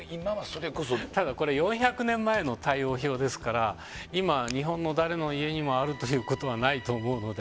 ただ４００年前の対応表ですから今、日本の誰の家にもあるということはないと思うので。